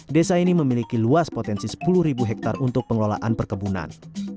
desa ini memiliki luas potensi sepuluh ribu hektare untuk pengelolaan perkebunan